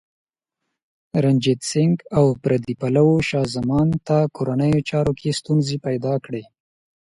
رنجیت سنګ او پردي پلوو شاه زمان ته کورنیو چارو کې ستونزې پیدا کړې.